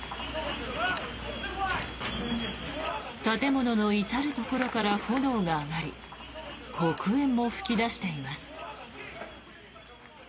建物の至るところから炎が上がり黒煙も噴き出しています。